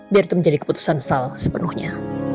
biar itu menjadi keputusan sal sepenuhnya